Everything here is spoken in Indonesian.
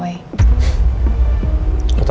orang yang punya kebenaran